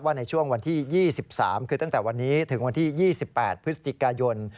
ในช่วงวันที่๒๓คือตั้งแต่วันนี้ถึงวันที่๒๘พฤศจิกายน